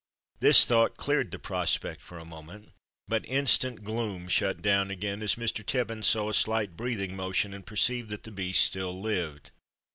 This thought cleared the prospect for a moment, but instant gloom shut down again, as Mr. Tibbins saw a slight breathing motion, and perceived that the beast still lived.